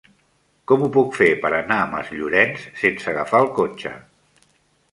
Com ho puc fer per anar a Masllorenç sense agafar el cotxe?